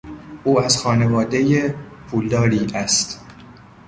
او از خانوادهی پولداری است.